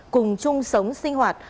cùng chung sống sinh hoạt